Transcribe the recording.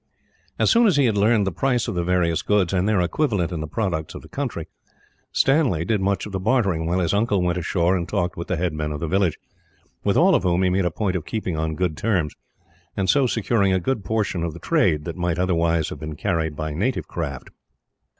As soon as he had learned the price of the various goods, and their equivalent in the products of the country, Stanley did much of the bartering; while his uncle went ashore and talked with the head men of the village, with all of whom he made a point of keeping on good terms, and so securing a great portion of the trade that might, otherwise, have been carried by native craft.